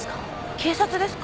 警察ですか？